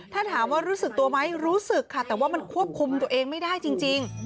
ถ้าถามว่ารู้สึกตัวไหมรู้สึกค่ะแต่ว่ามันควบคุมตัวเองไม่ได้จริง